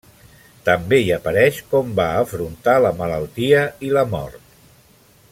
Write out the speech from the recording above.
També hi apareix com va afrontar la malaltia i la mort.